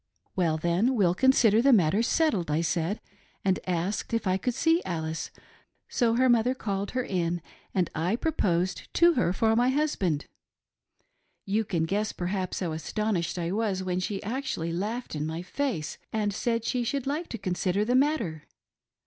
" Well then, we'll consider the matter settled, I said, and asked if I could see Alice ; so her mother called her in, and I proposed to her for my husband. You can guess, perhaps, how astonished I was when she actually laughed in my face and said she should like to consider the matter